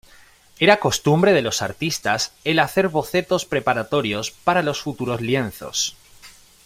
Era costumbre de los artistas el hacer bocetos preparatorios para los futuros lienzos.